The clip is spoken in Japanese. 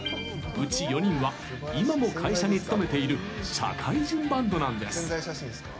内４人は今も会社に勤めている社会人バンドなんです。